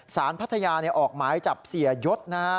สารพัทยาออกหมายจับเสียยศ